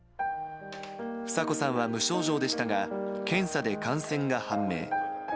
房子さんは無症状でしたが、検査で感染が判明。